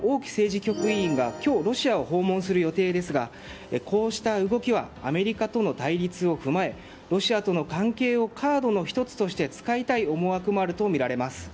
局員が今日ロシアを訪問する予定ですがこうした動きはアメリカとの対立を踏まえロシアとの関係をカードの１つとして使いたい思惑もあるとみられます。